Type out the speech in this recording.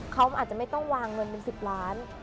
เขาอาจจะไม่ต้องวางเงินเป็น๑๐ล้าน